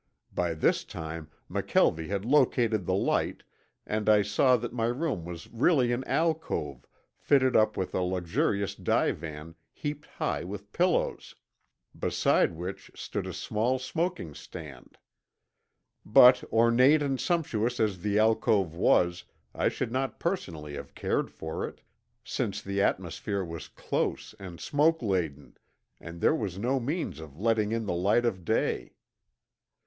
By this time McKelvie had located the light and I saw that my room was really an alcove fitted up with a luxurious divan heaped high with pillows, beside which stood a small smoking stand. But ornate and sumptuous as the alcove was I should not personally have cared for it, since the atmosphere was close and smoke laden and there was no means of letting in the light of day.